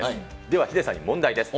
ではヒデさんに問題です。